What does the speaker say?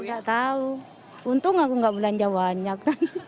tidak tahu untung aku tidak belanja banyak